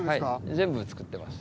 全部作ってます。